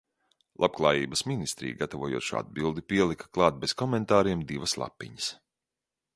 Labklājības ministrija, gatavojot šo atbildi, pielika klāt bez komentāriem divas lapiņas.